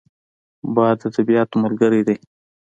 باد د طبیعت ملګری دی